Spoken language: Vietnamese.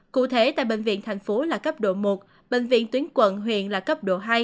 cụ thể tại bệnh viện thành phố là cấp độ một bệnh viện tuyến quận huyện là cấp độ hai